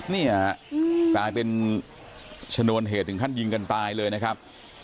เนี่ยกลายเป็นชนวนเหตุถึงขั้นยิงกันตายเลยนะครับ